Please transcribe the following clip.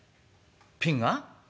「ピンが？